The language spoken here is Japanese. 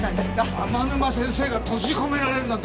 天沼先生が閉じ込められるなんて